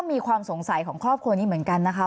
มีความสงสัยของครอบครัวนี้เหมือนกันนะคะ